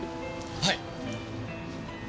はい。